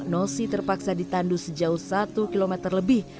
nosi terpaksa ditandu sejauh satu km lebih